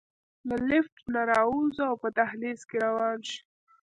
له لفټ نه راووځو او په دهلېز کې روان شو.